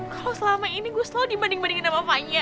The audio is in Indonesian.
kalo selama ini gue selalu dibanding bandingin sama fanya